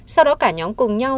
sau đó cả nhóm cùng nhau